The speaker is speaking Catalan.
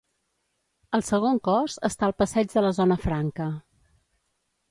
El segon cos està al passeig de la Zona Franca.